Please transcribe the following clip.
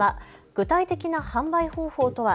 具体的な販売方法とは。